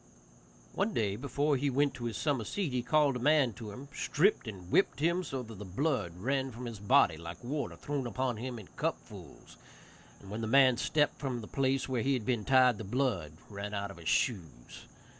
One day, before he went to his summer seat, he called a man to him, stripped and whipped him so that the blood ran from his body like water thrown upon him in cupfuls, and when the man stepped from the place where he had been tied, the blood ran out of his shoes.